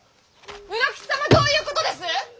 卯之吉様どういうことです！？